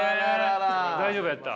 大丈夫やった？